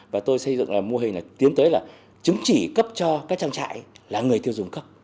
và tôi xây dựng là mô hình là tiến tới là chứng chỉ cấp cho các trang trại là người tiêu dùng cấp